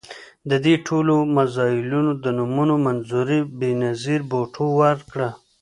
د دې ټولو میزایلونو د نومونو منظوري بېنظیر بوټو ورکړه.